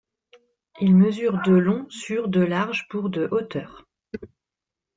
Il mesure de long sur de large pour de hauteur.